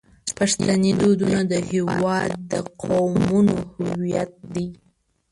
پښتني دودونه د هیواد د قومونو هویت دی.